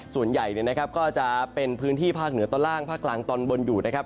ส่วนใหญ่เนี่ยนะครับก็จะเป็นพื้นที่ภาคเหนือตอนล่างภาคกลางตอนบนอยู่นะครับ